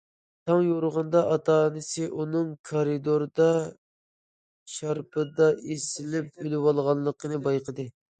تاڭ يورۇغاندا، ئاتا- ئانىسى ئۇنىڭ كارىدوردا شارپىدا ئېسىلىپ ئۆلۈۋالغانلىقىنى بايقىدى.